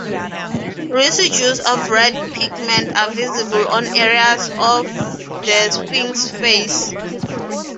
Residues of red pigment are visible on areas of the Sphinx's face.